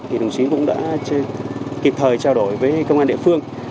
thì đồng chí cũng đã kịp thời trao đổi với công an địa phương